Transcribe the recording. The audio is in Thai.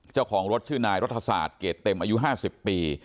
เจ้าของรถชื่อนายรัฐศาสตร์เกรดเต็มอายุ๕๐ปี